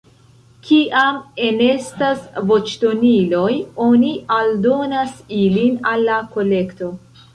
Kiam enestas voĉdoniloj, oni aldonas ilin al la kolekto.